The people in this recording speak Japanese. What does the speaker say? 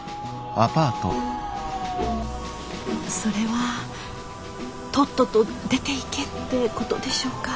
それはとっとと出ていけってことでしょうか。